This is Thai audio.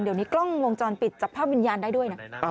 เดี๋ยวนี้กล้องวงจรปิดจับภาพวิญญาณได้ด้วยนะ